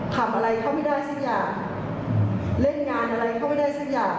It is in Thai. ทำอะไรเขาไม่ได้สิทธิ์อย่างเล่นงานอะไรเขาไม่ได้สิทธิ์อย่าง